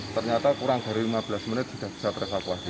ternyata kurang dari lima belas menit sudah bisa terevakuasi